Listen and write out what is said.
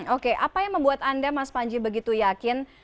oke apa yang membuat anda mas panji begitu yakin